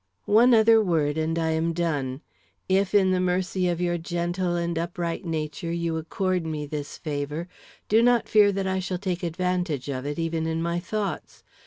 One other word and I am done. If, in the mercy of your gentle and upright nature, you accord me this favor, do not fear that I shall take advantage of it, even in my thoughts.